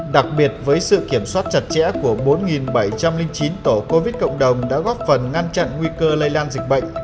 đặc biệt với sự kiểm soát chặt chẽ của bốn bảy trăm linh chín tổ covid cộng đồng đã góp phần ngăn chặn nguy cơ lây lan dịch bệnh